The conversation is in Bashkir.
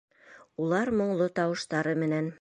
Улар моңло тауыштары менән: